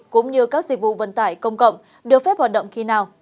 cũng như các dịch vụ vận tải công cộng được phép hoạt động khi nào